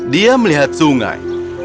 dia melihat sungai